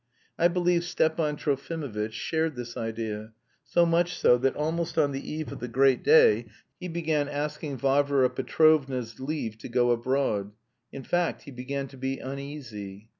I believe Stepan Trofimovitch shared this idea, so much so that almost on the eve of the great day he began asking Varvara Petrovna's leave to go abroad; in fact he began to be uneasy.